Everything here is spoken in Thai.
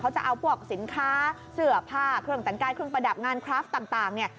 เขาก็จะเอาพวกสินค้าเสือภาพเครื่องตัญการเครื่องประดับงานเครื่องรับงานต่างเนี่ย